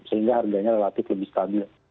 sehingga harganya relatif lebih stabil